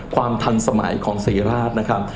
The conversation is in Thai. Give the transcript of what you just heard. ความทันสมัยของศรีราชนะครับ